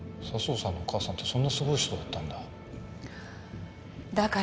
佐相さんのお母さんってそんなすごい人だったんだ。